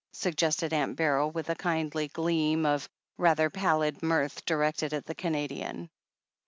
suggested Aunt Beryl, with a kindly gleam of rather pallid mirth directed at the Canadian.